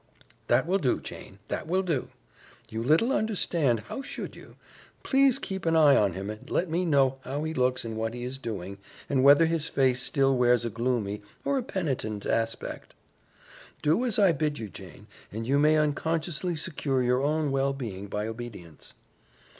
"That will do, Jane, that will do. You little understand how should you? Please keep an eye on him, and let me know how he looks and what he is doing, and whether his face still wears a gloomy or a penitent aspect. Do as I bid you, Jane, and you may unconsciously secure your own well being by obedience."